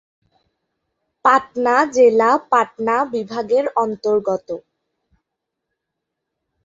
পাটনা জেলা পাটনা বিভাগের অন্তর্গত।